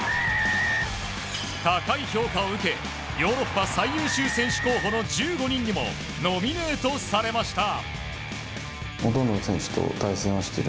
高い評価を受けヨーロッパ最優秀選手候補の１５人にもノミネートされました。